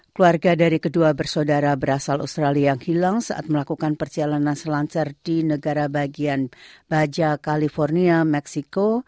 keluarga dari kedua bersaudara berasal australia yang hilang saat melakukan perjalanan selancar di negara bagian baja california meksiko